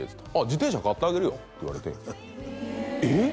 「自転車買ってあげるよ」って言われてえっ？